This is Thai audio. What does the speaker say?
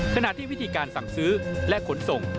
ขณะที่วิธีการสั่งซื้อและขนส่ง